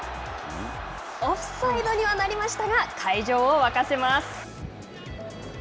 オフサイドにはなりましたが会場を沸かせます。